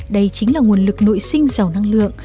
đây chính là nguồn lực nội sinh giàu năng lượng